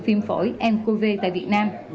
phim phổi mqv tại việt nam